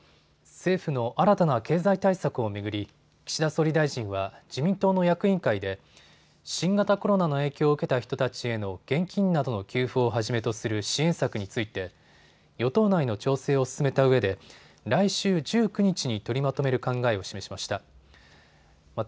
政府の新たな経済対策を巡り岸田総理大臣は自民党の役員会で新型コロナの影響を受けた人たちへの現金などの給付をはじめとする支援策について与党内の調整を進めたうえで来週１９日に取りまとめる考えを示しました。